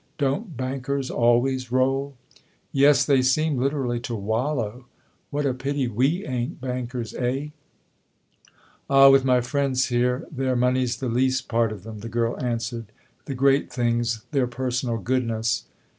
" Don't bankers always roll ?" "Yes, they seem literally to wallow. What, a pity we ain't bankers, eh ?" 58 THE OTHER HOUSE " Ah, with my friends here their money's the least part of them/' the girl answered. " The great thing's their personal goodness."